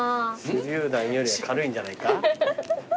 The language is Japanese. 手りゅう弾よりは軽いんじゃないか？